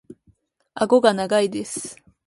顎が長いです。